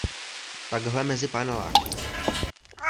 Takhle mezi paneláky